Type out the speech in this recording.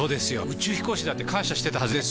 宇宙飛行士だって感謝してたはずです！